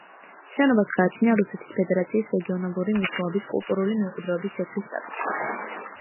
შენობას გააჩნია რუსეთის ფედერაციის რეგიონალური მნიშვნელობის კულტურული მემკვიდრეობის ძეგლის სტატუსი.